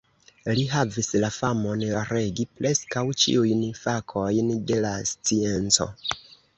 Li havis la famon, regi preskaŭ ĉiujn fakojn de la scienco.